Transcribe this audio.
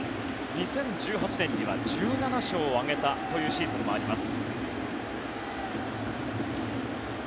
２０１８年には１７勝を挙げたというシーズンもあります。